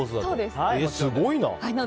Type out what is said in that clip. すごいよな。